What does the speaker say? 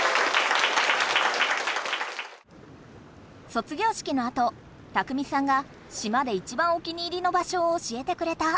卒業式のあと拓海さんが島でいちばんお気に入りの場所を教えてくれた。